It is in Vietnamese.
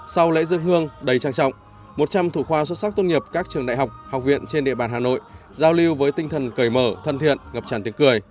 sau lễ dân hương đầy trang trọng một trăm linh thủ khoa xuất sắc tôn nghiệp các trường đại học học viện trên địa bàn hà nội giao lưu với tinh thần cởi mở thân thiện ngập tràn tiếng cười